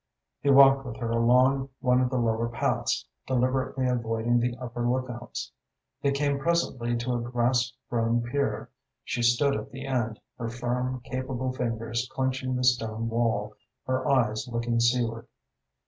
He walked with her along one of the lower paths, deliberately avoiding the upper lookouts. They came presently to a grass grown pier. She stood at the end, her firm, capable fingers clenching the stone wall, her eyes looking seaward.